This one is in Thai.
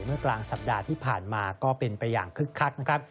เมื่อกลางสัปดาห์ที่ผ่านมาก็เป็นไปอย่างคึกคักนะครับ